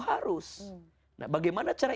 harus nah bagaimana cara